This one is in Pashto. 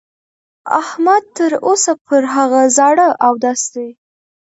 احمد تر اوسه پر هغه زاړه اودس دی.